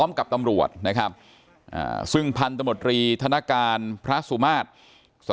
ไม่มีไม่มีไม่มีไม่มีไม่มี